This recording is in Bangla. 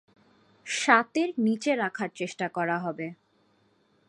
সাতের নিচে রাখার চেষ্টা করা হবে।